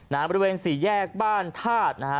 ทางบริเวณสี่แยกบ้านทาสนะฮะ